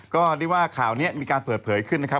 ก็เรียกว่าข่าวนี้มีการเปิดเผยขึ้นนะครับ